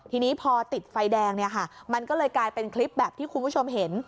ทีนี้พอติดไฟแดงเนี่ยค่ะมันก็เลยกลายเป็นคลิปแบบที่คุณผู้ชมเห็น